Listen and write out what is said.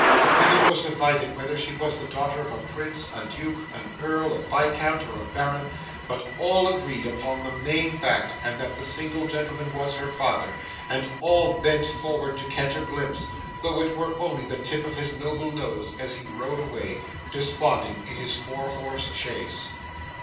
Opinion was divided whether she was the daughter of a prince, a duke, an earl, a viscount, or a baron, but all agreed upon the main fact, and that the single gentleman was her father; and all bent forward to catch a glimpse, though it were only of the tip of his noble nose, as he rode away, desponding, in his four horse chaise.